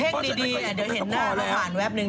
เพลิงดีอะเดี๋ยวเห็นหน้าของหวานแวบนึง